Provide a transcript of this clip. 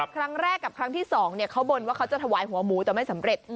ครั้งแรกกับครั้งที่๒เขาบ่นว่าเขาจะถวายหัวหมูแต่ไม่สำเร็จ